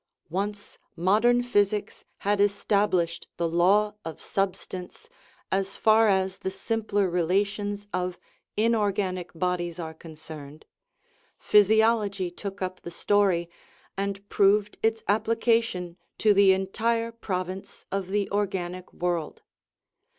Once modern physics had established the law of sub 231 THE RIDDLE OF THE UNIVERSE stance as far as the simpler relations of inorganic bod ies are concerned, physiology took up the story, and proved its application to the entire province of the or ganic world.